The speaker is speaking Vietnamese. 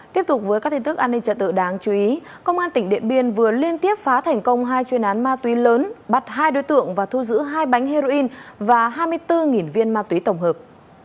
tiếp tục với các tin tức an ninh trật tự đáng chú ý công an tỉnh điện biên vừa liên tiếp phá thành công hai chuyên án ma túy lớn bắt hai đối tượng và thu giữ hai bánh heroin và hai mươi bốn viên ma túy tổng hợp